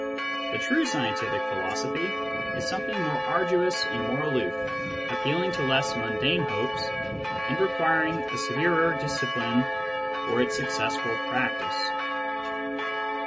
The true scientific phil osophy is something more arduous and more aloof, appeal ing to less mundane hopes, and requiring a severer discipline for its successful practice.